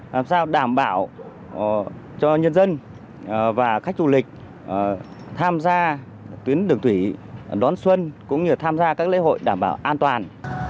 làm sao đảm bảo cho nhân dân và khách du lịch tham gia tuyến đường thủy đón xuân cũng như tham gia các lễ hội đảm bảo an toàn